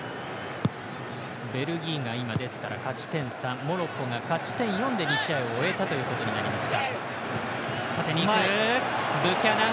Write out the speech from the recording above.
ベルギーが今、勝ち点３モロッコが勝ち点４で試合を終えたということになります。